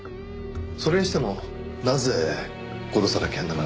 それにしてもなぜ殺さなきゃならなかったと？